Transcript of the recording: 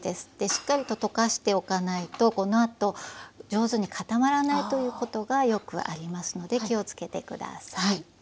しっかりと溶かしておかないとこのあと上手に固まらないということがよくありますので気をつけて下さい。